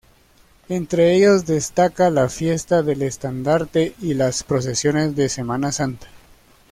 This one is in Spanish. Entre ellos destaca la Fiesta del Estandarte y las procesiones de Semana Santa.